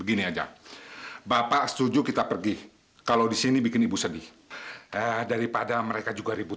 ini mereka mereka